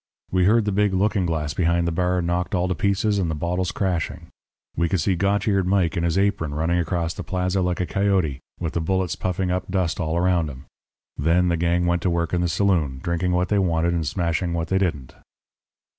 We heard the big looking glass behind the bar knocked all to pieces and the bottles crashing. We could see Gotch eared Mike in his apron running across the plaza like a coyote, with the bullets puffing up dust all around him. Then the gang went to work in the saloon, drinking what they wanted and smashing what they didn't.